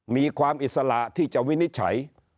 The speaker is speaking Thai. มีความอิสระที่จะวินิจฉัย